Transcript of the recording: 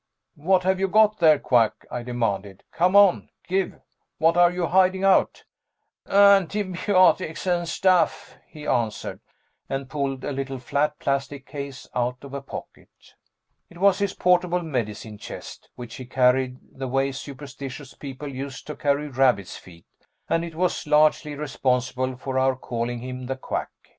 "What've you got there, Quack?" I demanded. "Come on, give what are you hiding out?" "Antibiotics and stuff," he answered, and pulled a little flat plastic case out of a pocket. It was his portable medicine chest, which he carried the way superstitious people used to carry rabbits' feet, and it was largely responsible for our calling him the Quack.